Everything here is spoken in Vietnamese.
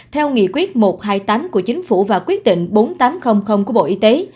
theo nghị quyết một trăm hai mươi tám của chính phủ và quyết định bốn nghìn tám trăm linh của bộ y tế